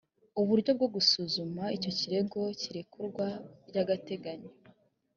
uburyo bwo busuzuma icyo kirego cy irekurwa ry agateganyo